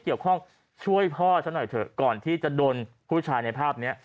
เกี่ยวข้องช่วยพ่อฉันหน่อยเถอะก่อนที่จะโดนผู้ชายในภาพนี้